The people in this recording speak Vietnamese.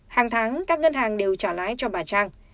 hàng tháng các ngân hàng đều trả lãi cho bà trang